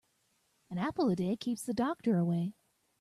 An apple a day keeps the doctor away.